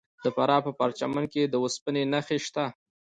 د فراه په پرچمن کې د وسپنې نښې شته.